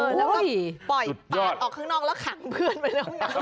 แล้วก็ปล่อยปากออกข้างนอกแล้วขังเพื่อนไปแล้วไง